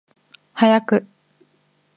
早く